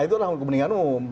itu adalah kepentingan umum